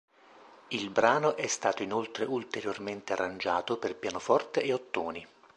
Il brano è stato inoltre ulteriormente arrangiato per pianoforte e ottoni.